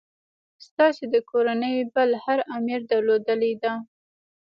ستاسي د کورنۍ بل هر امیر درلودلې ده.